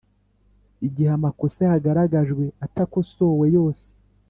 Igihe amakosa yagaragajwe atakosowe yose